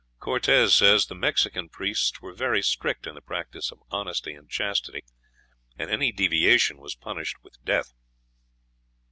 Cortes says the Mexican priests were very strict in the practice of honesty and chastity, and any deviation was punished with death.